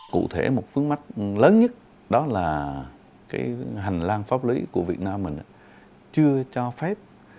cụ thể một phương mắt lớn nhất đó là hành lang pháp lý của việt nam chưa cho phép